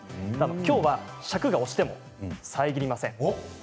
今日は尺が押しても遮りません。